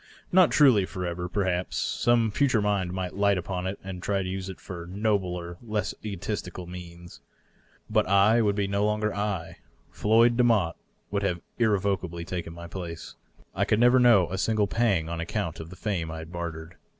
Not truly forever, perhaps ; some ftiture mind might light upon it and use it to nobler, less egotistic ends. But I would be no longer I ; Floyd Demotte would have irrevocably taken my place. I DOUGLAS DUANE. fill could never know a single pang on account of the fame I had bartered.